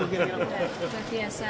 tidak sudah biasa